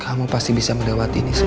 kamu pasti bisa melewati ini